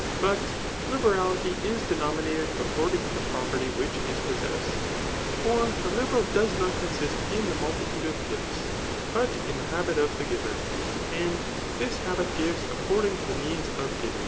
But liberality is dencnninated according to die property which is possessed ; for the liberal does not consist in the multitude of gifts, but in the habit of the giver J and this habit gives according to the means of giving.